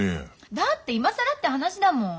だって今更って話だもん。